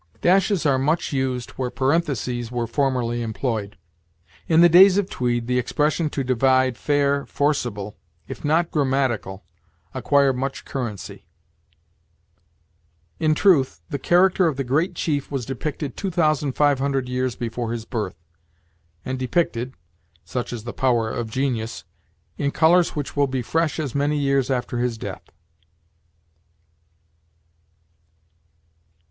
Dashes are much used where parentheses were formerly employed. "In the days of Tweed the expression to divide fair forcible, if not grammatical acquired much currency." "In truth, the character of the great chief was depicted two thousand five hundred years before his birth, and depicted such is the power of genius in colors which will be fresh as many years after his death."